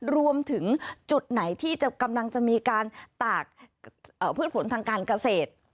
รวมถึงจุดไหนที่กำลังจะมีการตากพืชผลทางการเกษตร